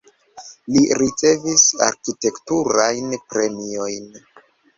Li ricevis arkitekturajn premiojn.